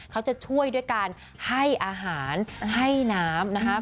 เขาจะช่วยด้วยการให้อาหารให้น้ำนะครับ